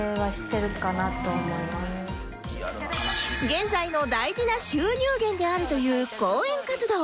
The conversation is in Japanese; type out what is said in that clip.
現在の大事な収入源であるという講演活動